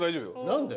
何で？